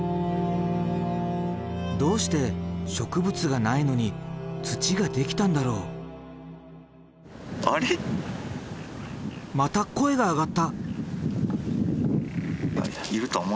どうして植物がないのに土ができたんだろう？また声が上がった。